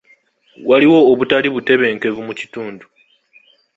Waliwo obutali butebenkevu mu kitundu.